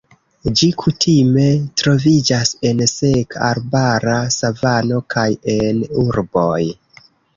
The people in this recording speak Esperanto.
Ĝi kutime troviĝas en seka arbara savano kaj en urboj.